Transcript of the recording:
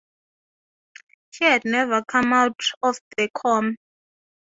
She had never come out of the coma.